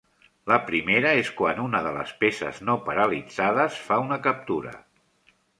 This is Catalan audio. La primera és quan una de les peces no paralitzades fa una captura.